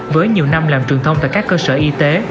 với nhiều năm làm truyền thông tại các cơ sở y tế